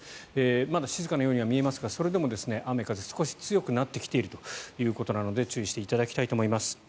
まだ静かなようには見えますがそれでもまだ雨風は少し強くなってきているということなので注意していただきたいと思います。